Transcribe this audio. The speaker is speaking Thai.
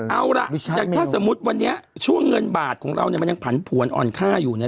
เอาล่ะแต่ถ้าสมมุติวันนี้ช่วงเงินบาทของเราเนี่ยมันยังผันผวนอ่อนค่าอยู่เนี่ย